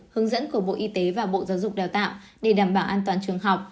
hướng dẫn của bộ y tế và bộ giáo dục đào tạo để đảm bảo an toàn trường học